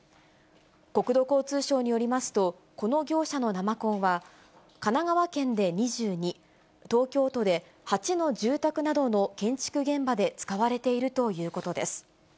国土交通省によりますと、この業者の生コンは、神奈川県で２２、東京都で８の住宅などの建築現場で使われているということです。